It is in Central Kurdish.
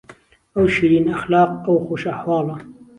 ئهو شیرین ئهخلاق ئهو خوش ئهحواڵه